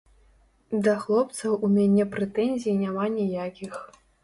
Да хлопцаў у мяне прэтэнзій няма ніякіх.